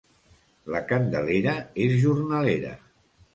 La Candelera és jornalera.